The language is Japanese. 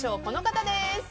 この方です。